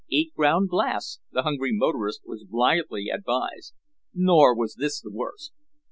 Eat GROUND GLASS the hungry motorist was blithely advised. Nor was this the worst.